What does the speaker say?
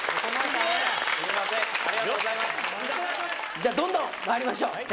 じゃあどんどんまいりましょうねっ。